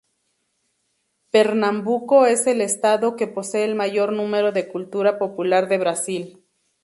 Pernambuco es el Estado que posee el mayor número de cultura popular de Brasil.